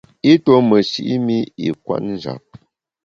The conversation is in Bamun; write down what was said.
I tuo meshi’ mi i kwet njap.